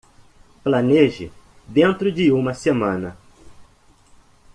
Planeje dentro de uma semana